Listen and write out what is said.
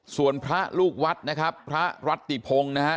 ส่วนพระลูกวัดนะครับพระรัตติพงศ์นะครับ